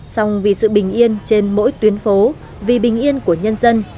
xong vì sự bình yên trên mỗi tuyến phố vì bình yên của nhân dân